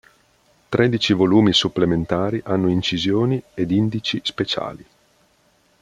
Tredici volumi supplementari hanno incisioni ed indici speciali.